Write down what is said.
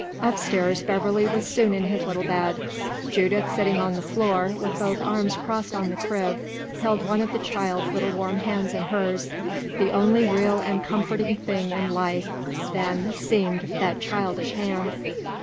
Up stairs, Beverley was soon in his little bed. Judith, sitting on the floor, with both arms crossed on the crib, held one of the child's little warm hands in hers; the only real and comforting thing in life then seemed that childish hand.